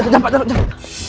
jalan pak jalan